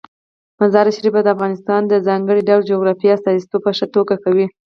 مزارشریف د افغانستان د ځانګړي ډول جغرافیې استازیتوب په ښه توګه کوي.